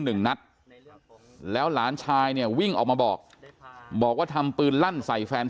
หนึ่งนัดแล้วหลานชายเนี่ยวิ่งออกมาบอกบอกว่าทำปืนลั่นใส่แฟน